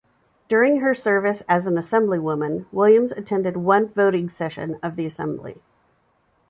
During her service as an assemblywoman, Williams attended one voting session of the Assembly.